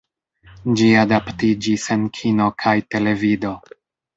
Ĝi adaptiĝis en kino kaj televido.